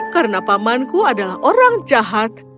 karena pamanku adalah orang jahat